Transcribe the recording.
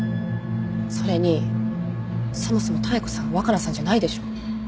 それにそもそも妙子さん若菜さんじゃないでしょ。